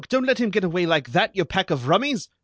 Don't let him get away like that, you pack of rummies!